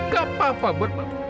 gak apa apa buat bapak